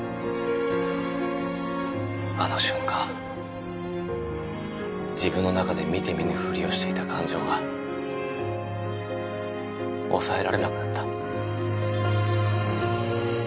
あの瞬間自分の中で見て見ぬふりをしていた感情が抑えられなくなった。